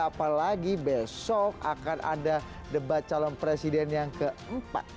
apalagi besok akan ada debat calon presiden yang keempat